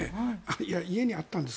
家にあったんです。